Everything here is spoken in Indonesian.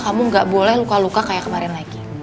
kamu gak boleh luka luka kayak kemarin lagi